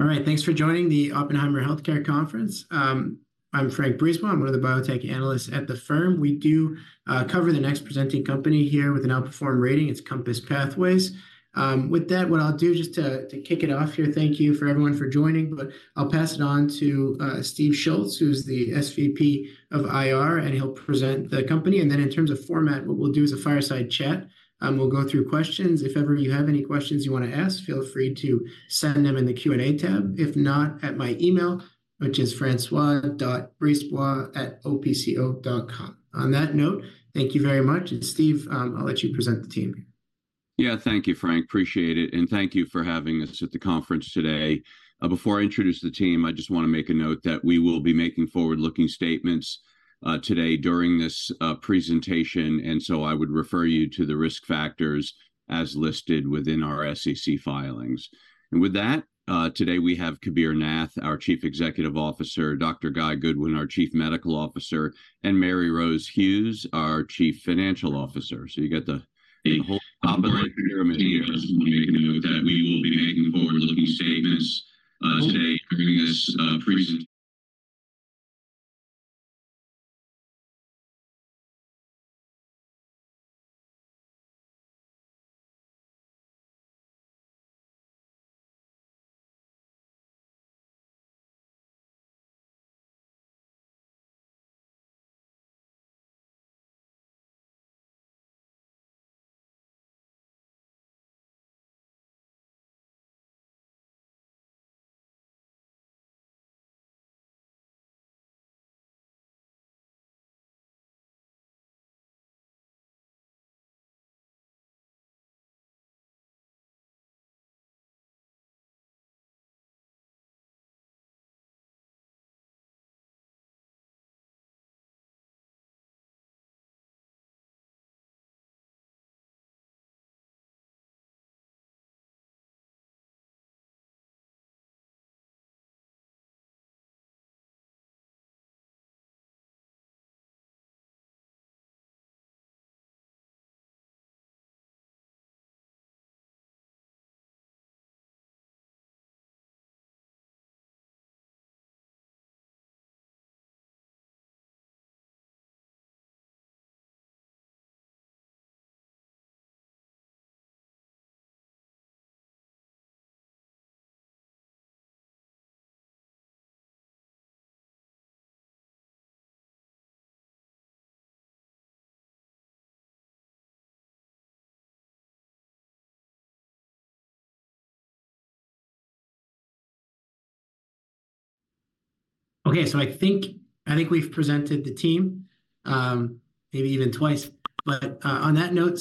All right. Thanks for joining the Oppenheimer Healthcare Conference. I'm François Brisebois. I'm one of the biotech analysts at the firm. We do cover the next presenting company here with an outperform rating. It's Compass Pathways. With that, what I'll do just to kick it off here, thank you for everyone for joining, but I'll pass it on to Steve Schultz, who's the SVP of IR, and he'll present the company. And then, in terms of format, what we'll do is a fireside chat. We'll go through questions. If ever you have any questions you want to ask, feel free to send them in the Q&A tab. If not, at my email, which is francois.brisebois@opco.com. On that note, thank you very much. And Steve, I'll let you present the team. Yeah, thank you, Frank. Appreciate it. Thank you for having us at the conference today. Before I introduce the team, I just want to make a note that we will be making forward-looking statements today during this presentation, and so I would refer you to the risk factors as listed within our SEC filings. With that, today we have Kabir Nath, our Chief Executive Officer, Dr. Guy Goodwin, our Chief Medical Officer, and Mary-Rose Hughes, our Chief Financial Officer. You got the whole combination of them here. I just want to make a note that we will be making forward-looking statements today during this present. Okay, so I think we've presented the team, maybe even twice. But on that note,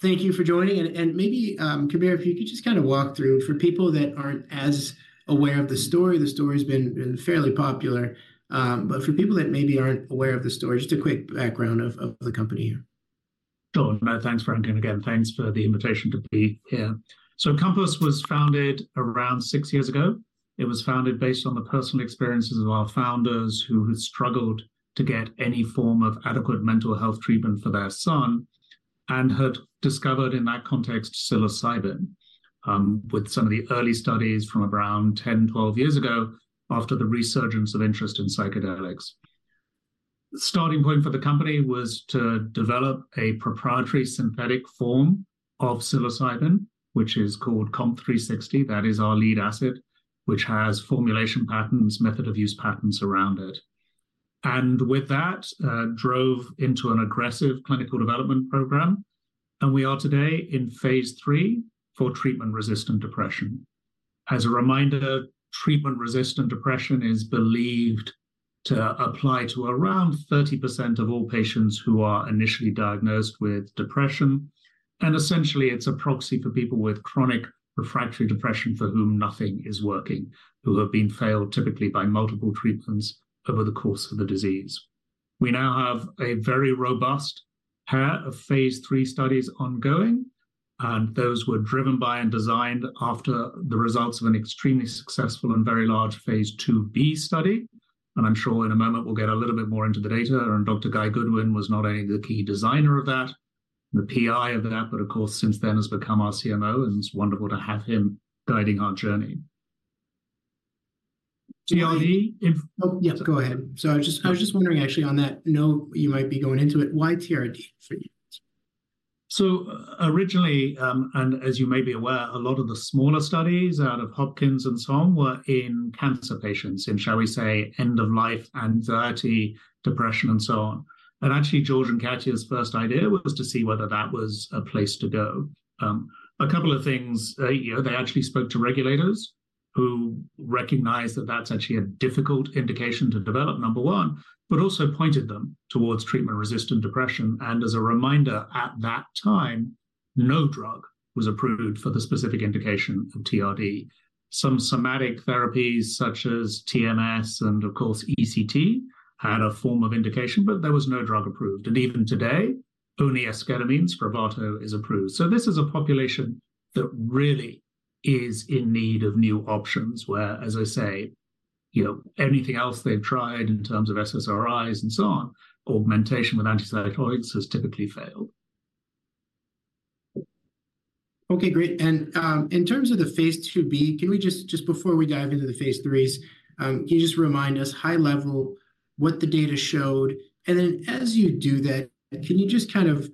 thank you for joining. And maybe, Kabir, if you could just kind of walk through for people that aren't as aware of the story. The story's been fairly popular, but for people that maybe aren't aware of the story, just a quick background of the company here. Sure. No, thanks, Frank. And again, thanks for the invitation to be here. So Compass was founded around six years ago. It was founded based on the personal experiences of our founders who had struggled to get any form of adequate mental health treatment for their son and had discovered, in that context, psilocybin, with some of the early studies from around 10, 12 years ago after the resurgence of interest in psychedelics. Starting point for the company was to develop a proprietary synthetic form of psilocybin, which is called COMP360. That is our lead asset, which has formulation patents, method of use patents around it, and with that, drove into an aggressive clinical development program. And we are today in phase III for treatment-resistant depression. As a reminder, treatment-resistant depression is believed to apply to around 30% of all patients who are initially diagnosed with depression. Essentially, it's a proxy for people with chronic refractory depression for whom nothing is working, who have been failed typically by multiple treatments over the course of the disease. We now have a very robust pair of phase III studies ongoing, and those were driven by and designed after the results of an extremely successful and very large phase IIb study. I'm sure in a moment we'll get a little bit more into the data. Dr. Guy Goodwin was not only the key designer of that, the PI of that, but of course, since then has become our CMO, and it's wonderful to have him guiding our journey. TRD? Oh, yes, go ahead. So I was just wondering, actually, on that note, you might be going into it, why TRD for you? So originally, and as you may be aware, a lot of the smaller studies out of Hopkins and so on were in cancer patients, in, shall we say, end-of-life anxiety, depression, and so on. And actually, George and Katya's first idea was to see whether that was a place to go. A couple of things, you know, they actually spoke to regulators who recognized that that's actually a difficult indication to develop, number one, but also pointed them towards treatment-resistant depression. And as a reminder, at that time, no drug was approved for the specific indication of TRD. Some somatic therapies, such as TMS and, of course, ECT, had a form of indication, but there was no drug approved. And even today, only esketamine Spravato is approved. So this is a population that really is in need of new options, where, as I say, you know, anything else they've tried in terms of SSRIs and so on, augmentation with antipsychotics has typically failed. Okay, great. And, in terms of the phase IIb, can we just before we dive into the phase IIIs, can you just remind us high level what the data showed? And then as you do that, can you just kind of,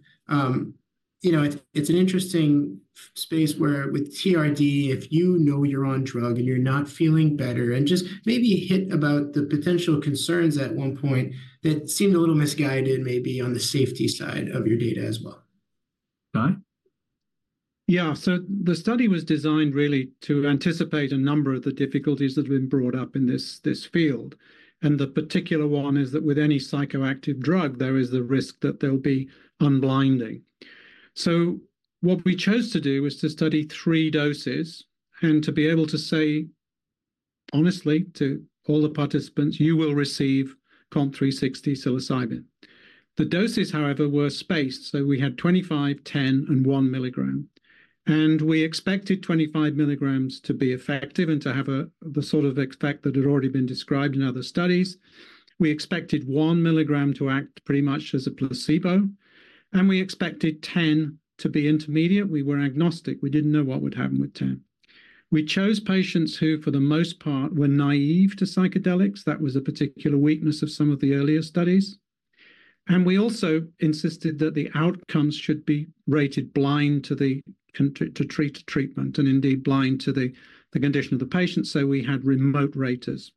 you know, it's an interesting space where with TRD, if you know you're on drug and you're not feeling better, and just maybe hit about the potential concerns at one point that seemed a little misguided, maybe on the safety side of your data as well. Go ahead. Yeah. So the study was designed really to anticipate a number of the difficulties that have been brought up in this field. And the particular one is that with any psychoactive drug, there is the risk that they'll be unblinding. So what we chose to do was to study three doses and to be able to say, honestly, to all the participants, you will receive COMP360 psilocybin. The doses, however, were spaced. So we had 25 mg, 10 mg, and 1 mg. And we expected 25 mg to be effective and to have the sort of effect that had already been described in other studies. We expected 1 mg to act pretty much as a placebo. And we expected 10 mg to be intermediate. We were agnostic. We didn't know what would happen with 10 mg. We chose patients who, for the most part, were naive to psychedelics. That was a particular weakness of some of the earlier studies. We also insisted that the outcomes should be rated blind to the treatment, and indeed blind to the condition of the patient. So we had remote raters.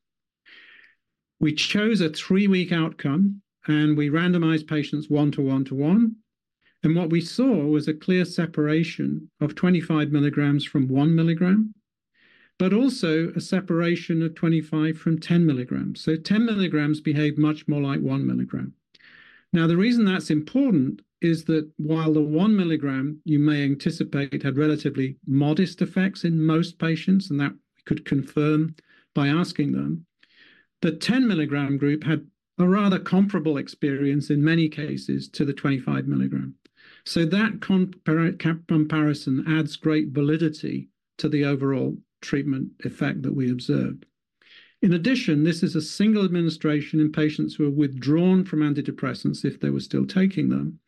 We chose a three-week outcome, and we randomized patients 1 to 1 to 1. And what we saw was a clear separation of 25 mg from 1 mg, but also a separation of 25 from 10 mg. So 10 mg behaved much more like 1 mg. Now, the reason that's important is that while the 1 mg you may anticipate had relatively modest effects in most patients, and that we could confirm by asking them, the 10 mg group had a rather comparable experience in many cases to the 25 mg. So that comparison adds great validity to the overall treatment effect that we observed. In addition, this is a single administration in patients who are withdrawn from antidepressants if they were still taking them.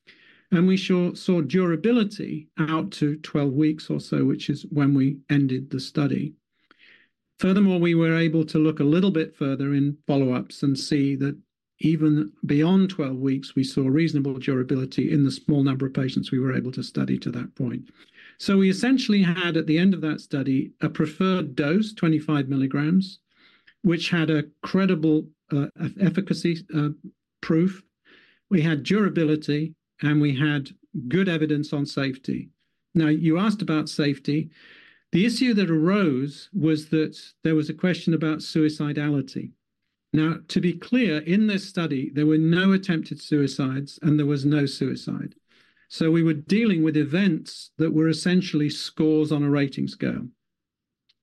We saw durability out to 12 weeks or so, which is when we ended the study. Furthermore, we were able to look a little bit further in follow-ups and see that even beyond 12 weeks, we saw reasonable durability in the small number of patients we were able to study to that point. We essentially had, at the end of that study, a preferred dose, 25 mg, which had a credible, efficacy, proof. We had durability, and we had good evidence on safety. Now, you asked about safety. The issue that arose was that there was a question about suicidality. Now, to be clear, in this study, there were no attempted suicides, and there was no suicide. So we were dealing with events that were essentially scores on a rating scale.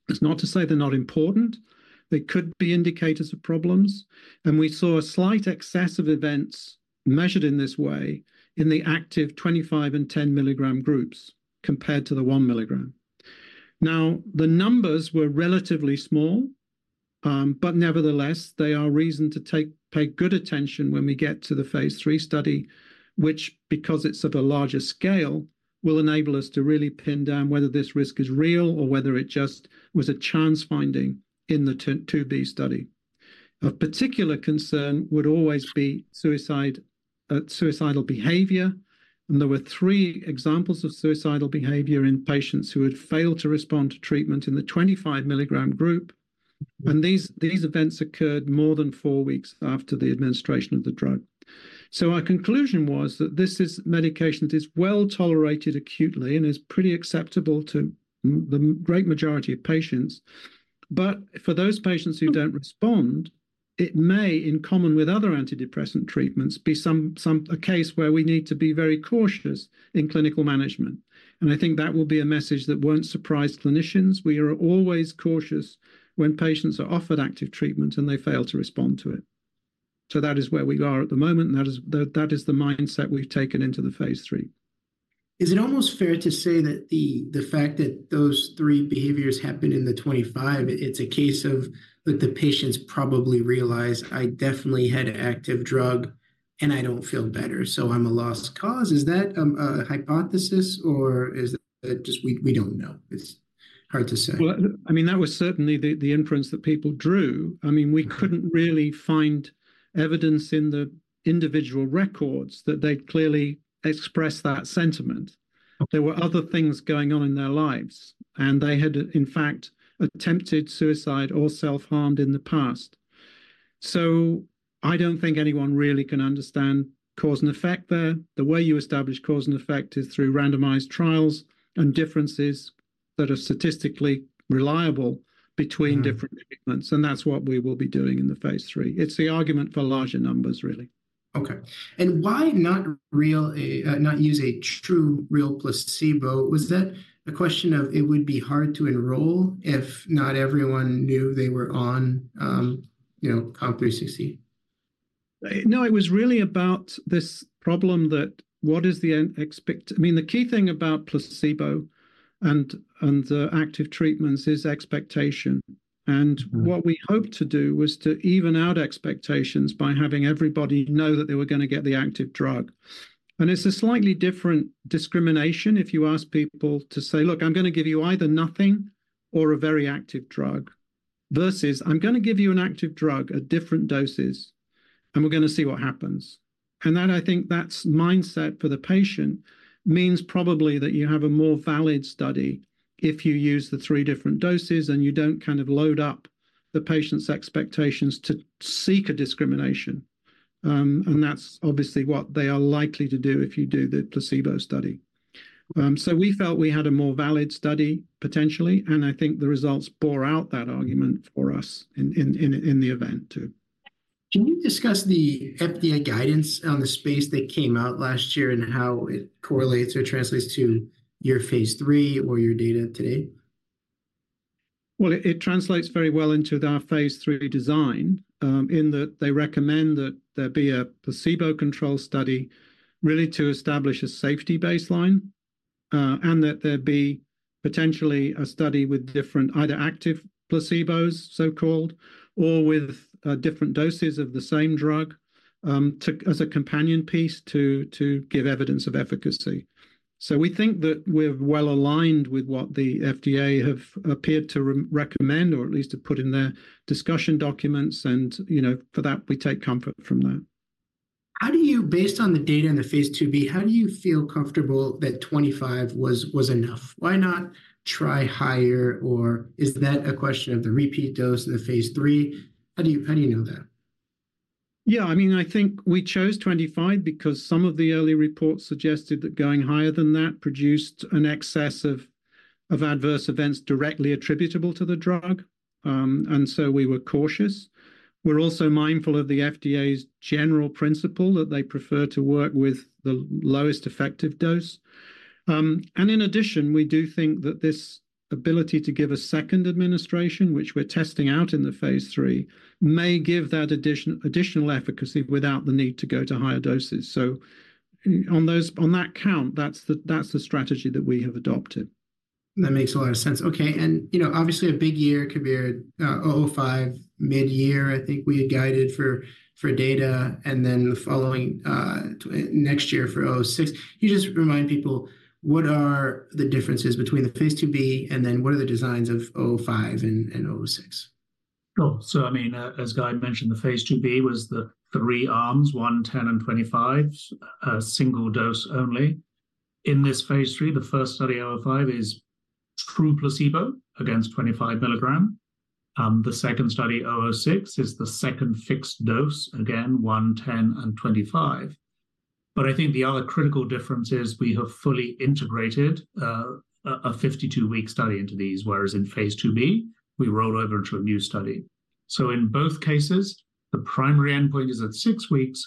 It's not to say they're not important. They could be indicators of problems. And we saw a slight excess of events measured in this way in the active 25 mg and 10 mg groups compared to the 1 mg. Now, the numbers were relatively small, but nevertheless, they are a reason to pay good attention when we get to the phase III study, which, because it's of a larger scale, will enable us to really pin down whether this risk is real or whether it just was a chance finding in the IIb study. Of particular concern would always be suicide, suicidal behavior. And there were three examples of suicidal behavior in patients who had failed to respond to treatment in the 25 mg group. These events occurred more than four weeks after the administration of the drug. So our conclusion was that this is medication that is well tolerated acutely and is pretty acceptable to the great majority of patients. But for those patients who don't respond, it may, in common with other antidepressant treatments, be somewhat a case where we need to be very cautious in clinical management. And I think that will be a message that won't surprise clinicians. We are always cautious when patients are offered active treatment and they fail to respond to it. So that is where we are at the moment. And that is the mindset we've taken into the phase III. Is it almost fair to say that the fact that those three behaviors happen in the 25 mg, it's a case of that the patients probably realize, "I definitely had active drug, and I don't feel better, so I'm a lost cause." Is that a hypothesis, or is that just we don't know? It's hard to say. Well, I mean, that was certainly the inference that people drew. I mean, we couldn't really find evidence in the individual records that they'd clearly express that sentiment. There were other things going on in their lives, and they had, in fact, attempted suicide or self-harmed in the past. So I don't think anyone really can understand cause and effect there. The way you establish cause and effect is through randomized trials and differences that are statistically reliable between different treatments. That's what we will be doing in the phase III. It's the argument for larger numbers, really. Okay. Why not really not use a true, real placebo? Was that a question of it would be hard to enroll if not everyone knew they were on, you know, COMP360? No, it was really about this problem that what is the expectation. I mean, the key thing about placebo and active treatments is expectation. And what we hoped to do was to even out expectations by having everybody know that they were going to get the active drug. And it's a slightly different discrimination if you ask people to say, "Look, I'm going to give you either nothing or a very active drug," versus, "I'm going to give you an active drug at different doses, and we're going to see what happens." And that I think that mindset for the patient means probably that you have a more valid study if you use the three different doses and you don't kind of load up the patient's expectations to seek a discrimination. And that's obviously what they are likely to do if you do the placebo study. We felt we had a more valid study, potentially. And I think the results bore out that argument for us in the event, too. Can you discuss the FDA guidance on the space that came out last year and how it correlates or translates to your phase III or your data today? Well, it translates very well into our phase III design, in that they recommend that there be a placebo-controlled study really to establish a safety baseline, and that there be potentially a study with different either active placebos, so-called, or with different doses of the same drug, to as a companion piece to give evidence of efficacy. So we think that we're well aligned with what the FDA have appeared to recommend, or at least to put in their discussion documents. And, you know, for that, we take comfort from that. How do you, based on the data in the phase IIb, how do you feel comfortable that 25 mg was enough? Why not try higher? Or is that a question of the repeat dose in the phase III? How do you know that? Yeah, I mean, I think we chose 25 mg because some of the early reports suggested that going higher than that produced an excess of adverse events directly attributable to the drug. So we were cautious. We're also mindful of the FDA's general principle that they prefer to work with the lowest effective dose. In addition, we do think that this ability to give a second administration, which we're testing out in the phase III, may give that additional efficacy without the need to go to higher doses. So on that count, that's the strategy that we have adopted. That makes a lot of sense. Okay. And, you know, obviously a big year, Kabir, 005 mid-year, I think we had guided for data. And then the following, next year for 006. Can you just remind people what are the differences between the phase IIb and then what are the designs of 005 and 006? Oh, so I mean, as Guy mentioned, the phase IIb was the three arms, 1 mg, 10 mg, and 25 mg, a single dose only. In this phase III, the first study, 005, is true placebo against 25 mg. The second study, 006, is the second fixed dose, again, 1 mg, 10 mg, and 25 mg. But I think the other critical difference is we have fully integrated a 52-week study into these, whereas in phase IIb, we rolled over into a new study. So in both cases, the primary endpoint is at six weeks,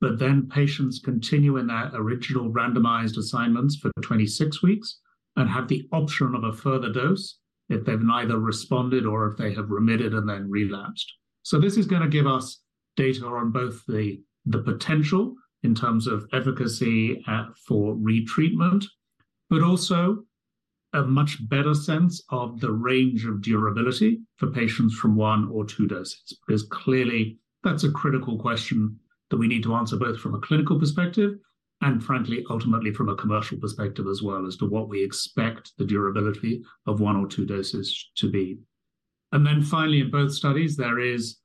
but then patients continue in their original randomized assignments for 26 weeks and have the option of a further dose if they've neither responded or if they have remitted and then relapsed. So this is going to give us data on both the potential in terms of efficacy for retreatment, but also a much better sense of the range of durability for patients from one or two doses. Because clearly, that's a critical question that we need to answer both from a clinical perspective and, frankly, ultimately from a commercial perspective as well as to what we expect the durability of one or two doses to be. And then finally, in both studies, there is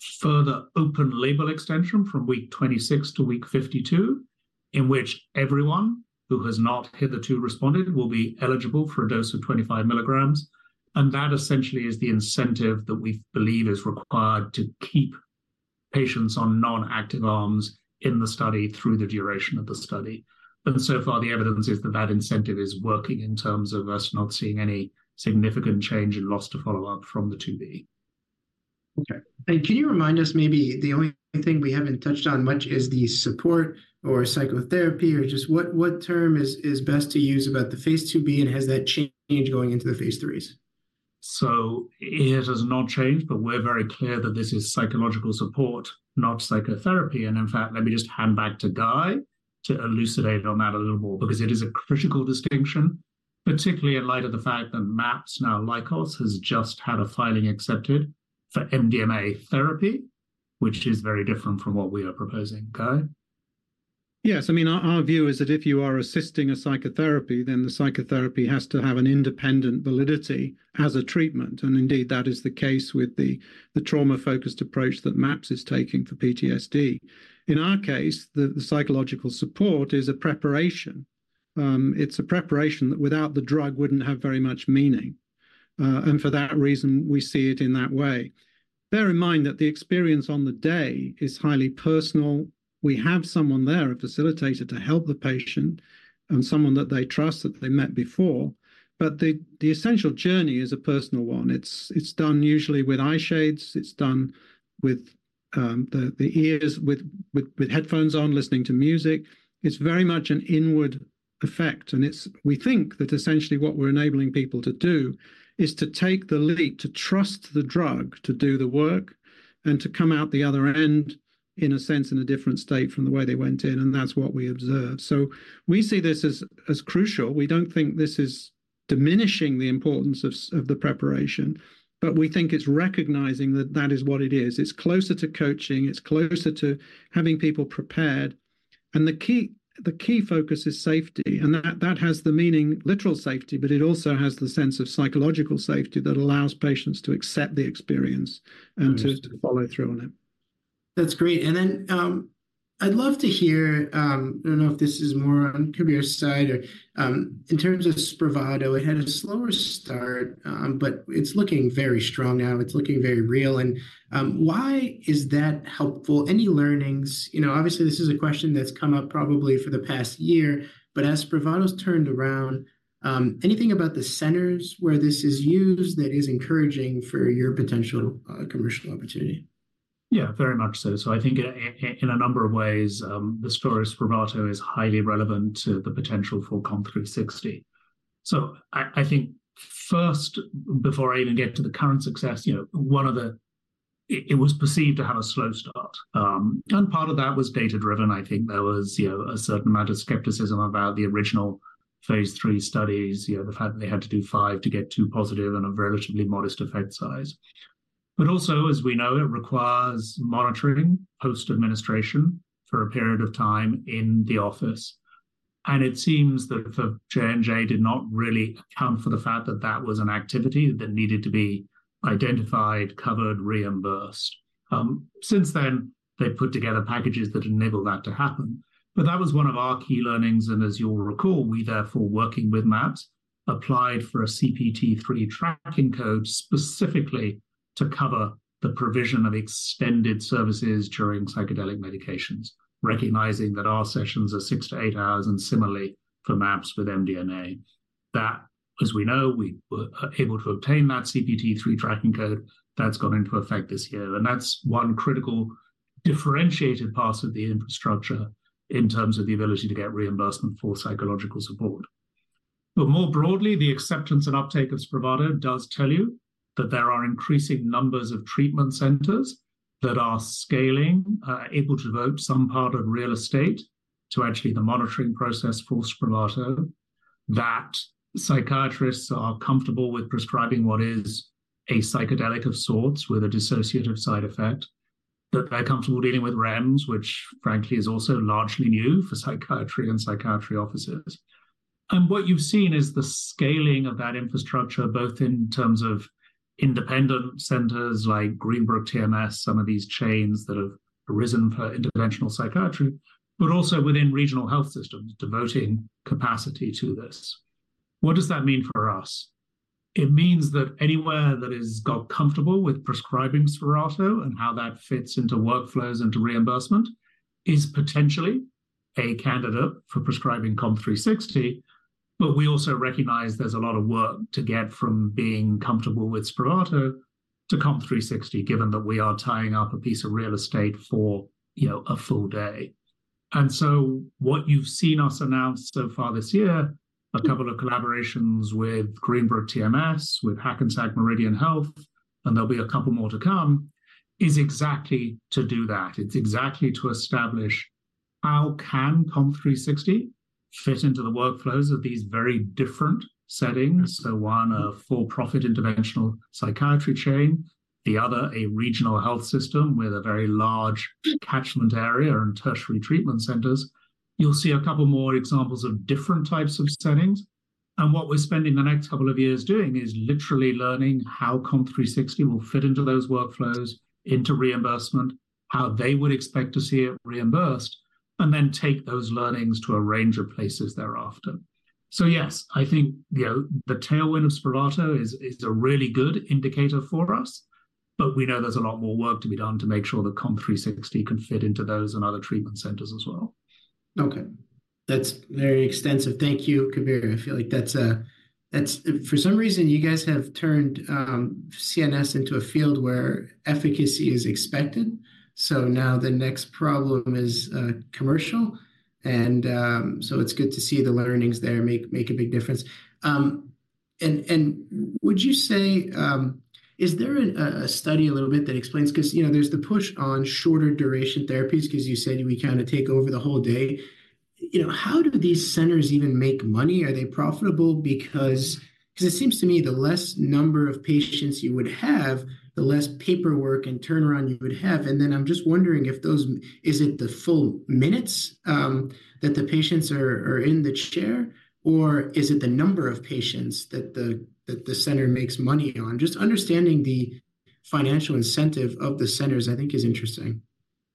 a further open label extension from week 26 to week 52, in which everyone who has not hitherto responded will be eligible for a dose of 25 mg. And that essentially is the incentive that we believe is required to keep patients on non-active arms in the study through the duration of the study. So far, the evidence is that that incentive is working in terms of us not seeing any significant change in loss to follow-up from the IIb. Okay. And can you remind us maybe the only thing we haven't touched on much is the support or psychotherapy or just what term is best to use about the phase IIb, and has that changed going into the phase IIIs? It has not changed, but we're very clear that this is psychological support, not psychotherapy. In fact, let me just hand back to Guy to elucidate on that a little more because it is a critical distinction, particularly in light of the fact that MAPS, now Lykos, has just had a filing accepted for MDMA therapy, which is very different from what we are proposing, Guy. Yes. I mean, our view is that if you are assisting a psychotherapy, then the psychotherapy has to have an independent validity as a treatment. And indeed, that is the case with the trauma-focused approach that MAPS is taking for PTSD. In our case, the psychological support is a preparation. It's a preparation that without the drug wouldn't have very much meaning. And for that reason, we see it in that way. Bear in mind that the experience on the day is highly personal. We have someone there, a facilitator, to help the patient and someone that they trust that they met before. But the essential journey is a personal one. It's done usually with eyeshades. It's done with the ears with headphones on, listening to music. It's very much an inward effect. And it's, we think, that essentially what we're enabling people to do is to take the leap, to trust the drug to do the work, and to come out the other end, in a sense, in a different state from the way they went in. And that's what we observe. So we see this as crucial. We don't think this is diminishing the importance of the preparation, but we think it's recognizing that is what it is. It's closer to coaching. It's closer to having people prepared. And the key focus is safety. And that has the meaning literal safety, but it also has the sense of psychological safety that allows patients to accept the experience and to follow through on it. That's great. Then, I'd love to hear. I don't know if this is more on Kabir's side or, in terms of Spravato, it had a slower start, but it's looking very strong now. It's looking very real. Why is that helpful? Any learnings? You know, obviously, this is a question that's come up probably for the past year, but as Spravato's turned around, anything about the centers where this is used that is encouraging for your potential, commercial opportunity? Yeah, very much so. So I think in a number of ways, the story of Spravato is highly relevant to the potential for COMP360. So I think first, before I even get to the current success, you know, one of the it was perceived to have a slow start. Part of that was data-driven. I think there was, you know, a certain amount of skepticism about the original phase III studies, you know, the fact that they had to do five to get two positive and a relatively modest effect size. But also, as we know, it requires monitoring post-administration for a period of time in the office. And it seems that for J&J, did not really account for the fact that that was an activity that needed to be identified, covered, reimbursed. Since then, they put together packages that enable that to happen. That was one of our key learnings. As you'll recall, we therefore, working with MAPS, applied for a CPT III tracking code specifically to cover the provision of extended services during psychedelic medication administration, recognizing that our sessions are six to eight hours. Similarly, for MAPS with MDMA, that, as we know, we were able to obtain that CPT III tracking code that's gone into effect this year. That's one critical differentiated part of the infrastructure in terms of the ability to get reimbursement for psychological support. But more broadly, the acceptance and uptake of Spravato does tell you that there are increasing numbers of treatment centers that are scaling, able to devote some part of real estate to actually the monitoring process for Spravato, that psychiatrists are comfortable with prescribing what is a psychedelic of sorts with a dissociative side effect, that they're comfortable dealing with REMS, which frankly is also largely new for psychiatry and psychiatry offices. And what you've seen is the scaling of that infrastructure, both in terms of independent centers like Greenbrook TMS, some of these chains that have risen for interventional psychiatry, but also within regional health systems devoting capacity to this. What does that mean for us? It means that anywhere that has got comfortable with prescribing Spravato and how that fits into workflows and to reimbursement is potentially a candidate for prescribing COMP360. But we also recognize there's a lot of work to get from being comfortable with Spravato to COMP360, given that we are tying up a piece of real estate for, you know, a full day. And so what you've seen us announce so far this year, a couple of collaborations with Greenbrook TMS, with Hackensack Meridian Health, and there'll be a couple more to come, is exactly to do that. It's exactly to establish how can COMP360 fit into the workflows of these very different settings? So one a for-profit interventional psychiatry chain, the other a regional health system with a very large catchment area and tertiary treatment centers. You'll see a couple more examples of different types of settings. What we're spending the next couple of years doing is literally learning how COMP360 will fit into those workflows, into reimbursement, how they would expect to see it reimbursed, and then take those learnings to a range of places thereafter. So yes, I think, you know, the tailwind of Spravato is a really good indicator for us, but we know there's a lot more work to be done to make sure that COMP360 can fit into those and other treatment centers as well. Okay, that's very extensive. Thank you, Kabir. I feel like that's a for some reason, you guys have turned CNS into a field where efficacy is expected. So now the next problem is commercial. And so it's good to see the learnings there make a big difference. And would you say, is there a study a little bit that explains because, you know, there's the push on shorter duration therapies because you said we kind of take over the whole day. You know, how do these centers even make money? Are they profitable because it seems to me the less number of patients you would have, the less paperwork and turnaround you would have. I'm just wondering if those is it the full minutes that the patients are in the chair, or is it the number of patients that the center makes money on? Just understanding the financial incentive of the centers, I think, is interesting.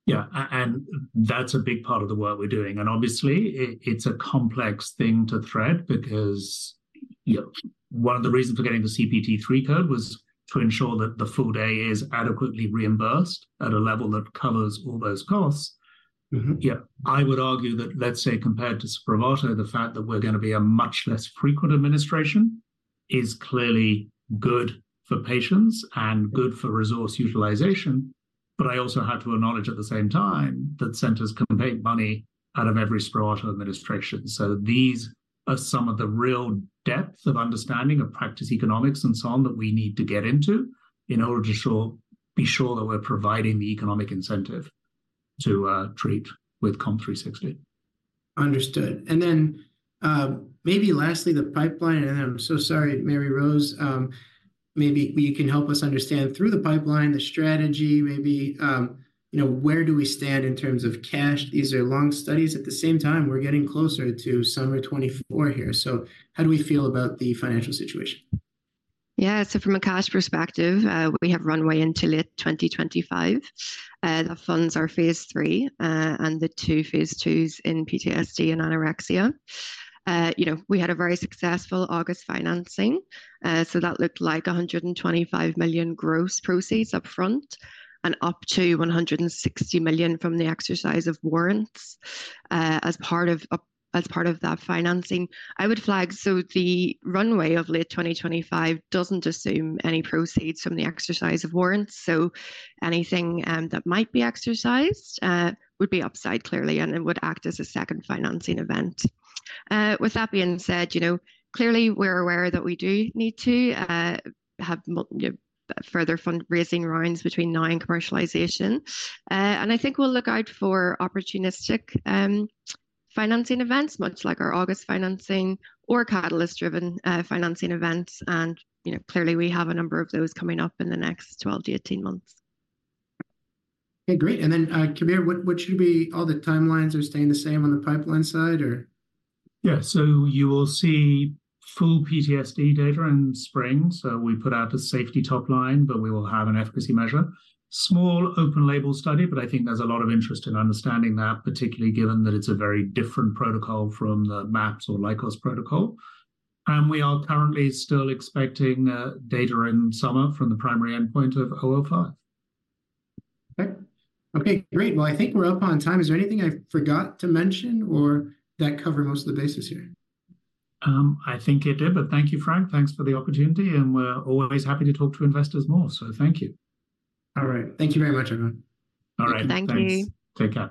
Yeah, and that's a big part of the work we're doing. Obviously, it's a complex thing to thread because, you know, one of the reasons for getting the CPT III code was to ensure that the full day is adequately reimbursed at a level that covers all those costs. Yeah, I would argue that, let's say, compared to Spravato, the fact that we're going to be a much less frequent administration is clearly good for patients and good for resource utilization. But I also have to acknowledge at the same time that centers can make money out of every Spravato administration. So these are some of the real depth of understanding of practice economics and so on that we need to get into in order to be sure that we're providing the economic incentive to treat with COMP360. Understood. And then, maybe lastly, the pipeline. And I'm so sorry, Mary-Rose, maybe you can help us understand through the pipeline, the strategy, maybe, you know, where do we stand in terms of cash? These are long studies. At the same time, we're getting closer to summer 2024 here. So how do we feel about the financial situation? Yeah, so from a cash perspective, we have runway until late 2025. The funds are phase III, and the two phase IIs in PTSD and anorexia. You know, we had a very successful August financing. So that looked like $125 million gross proceeds upfront and up to $160 million from the exercise of warrants as part of that financing. I would flag so the runway of late 2025 doesn't assume any proceeds from the exercise of warrants. So anything that might be exercised would be upside clearly, and it would act as a second financing event. With that being said, you know, clearly we're aware that we do need to have further fundraising rounds between now and commercialization. And I think we'll look out for opportunistic financing events, much like our August financing or catalyst-driven financing events. You know, clearly we have a number of those coming up in the next 12-18 months. Okay, great. And then, Kabir, what should be all the timelines? Are staying the same on the pipeline side or? Yeah, so you will see full PTSD data in spring. So we put out a safety topline, but we will have an efficacy measure, small open label study. But I think there's a lot of interest in understanding that, particularly given that it's a very different protocol from the MAPS or Lykos protocol. And we are currently still expecting data in summer from the primary endpoint of 005. Okay, okay, great. Well, I think we're up on time. Is there anything I forgot to mention or that covers most of the bases here? I think it did. But thank you, Frank. Thanks for the opportunity. And we're always happy to talk to investors more. So thank you. All right. Thank you very much, everyone. All right. Thank you. Thanks. Take care.